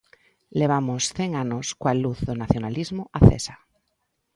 Levamos cen anos coa luz do nacionalismo acesa.